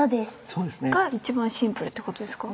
そうですね。が一番シンプルってことですか？